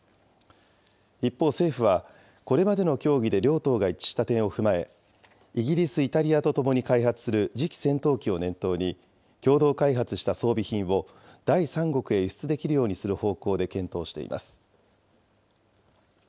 一方政府は、これまでの協議で両党が一致した点を踏まえ、イギリス、イタリアと共に開発する次期戦闘機を念頭に、共同開発した装備品を第三国へ輸出できるようにする方向で検討しています。